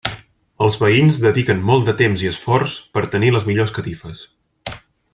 Els veïns dediquen molt de temps i esforç per tenir les millors catifes.